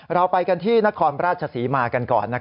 เราไปกันที่นครราชศรีมากันก่อน